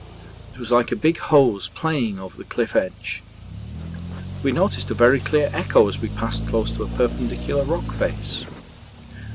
It was like a big hose playing over the cliff edge. We noticed a very clear echo as we passed close to a perpendicular rock face.